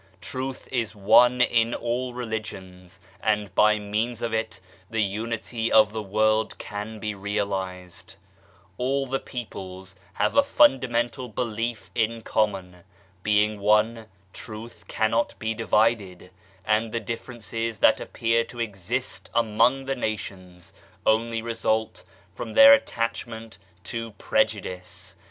Truth is one in all religions, and by means of it the unity of the world can be realized. All the peoples have a fundamental belief in common. Being one, Truth cannot be divided, and the differences that appear to exist among the nations only result from their attachment to prejudice.